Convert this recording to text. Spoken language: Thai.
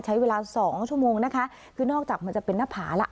ใช้เวลาสองชั่วโมงนะคะคือนอกจากมันจะเป็นหน้าผาแล้ว